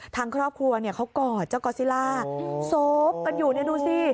ทางครอบครัวเขากอดเจ้ากอซิลล่าโซฟกันอยู่ดูสิ